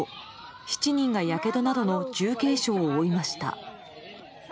７人が、やけどなどの重軽傷を負いました。